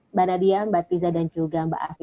mbak nadia mbak tiza dan juga mbak afi